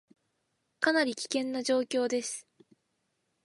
かなり危険な状況です